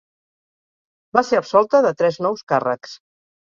Va ser absolta de tres nous càrrecs.